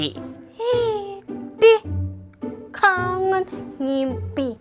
hidih kangen ngimpi